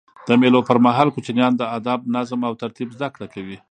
د مېلو پر مهال کوچنيان د ادب، نظم او ترتیب زدهکړه کوي.